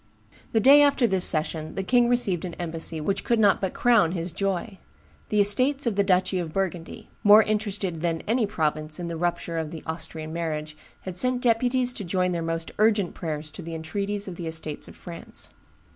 "The day after this session the king received an embassy which could not but crown his joy: the estates of the duchy of Burgundy, more interested than any other province in the rupture of the (Austrian) marriage, had sent deputies to join their most urgent prayers to the entreaties of the estates of France.